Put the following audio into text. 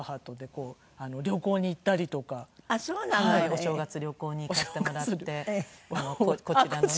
お正月旅行に行かせてもらってこちらのね。